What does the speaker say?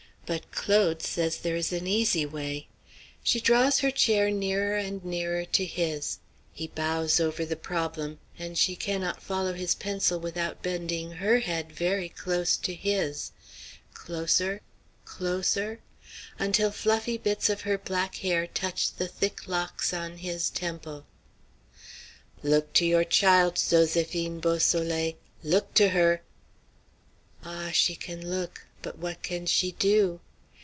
But Claude says there is an easy way. She draws her chair nearer and nearer to his; he bows over the problem, and she cannot follow his pencil without bending her head very close to his closer closer until fluffy bits of her black hair touch the thick locks on his temples. Look to your child, Zoséphine Beausoleil, look to her! Ah! she can look; but what can she do?